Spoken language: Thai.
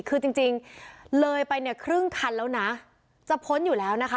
คือจริงเลยไปเนี่ยครึ่งคันแล้วนะจะพ้นอยู่แล้วนะคะ